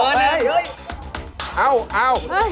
เย้ย